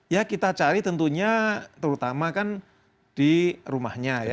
ya kita cari tentunya terutama kan di rumahnya ya